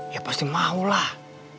ya pasti maulah